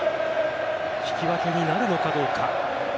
引き分けになるのかどうか。